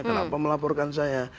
kenapa melaporkan saya